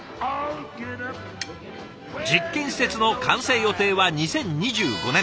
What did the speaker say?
実験施設の完成予定は２０２５年。